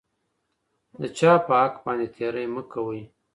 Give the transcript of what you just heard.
د چا په حق باندې تېری مه کوئ.